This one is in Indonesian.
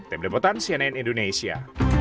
tim deputan cnn indonesia